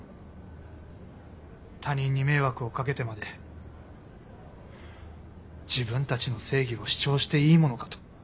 他人に迷惑をかけてまで自分たちの正義を主張していいものかと。